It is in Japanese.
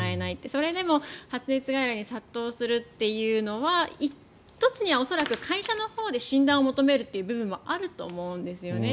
それでも発熱外来に殺到するというのは１つには恐らく会社のほうで診断を求めるという部分もあると思うんですね。